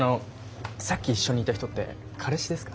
さっき一緒にいた人って彼氏ですか？